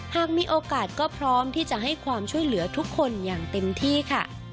หากมีโอกาสก็พร้อมที่จะให้ความช่วยเหลือทุกคนอย่างเต็มที่ค่ะ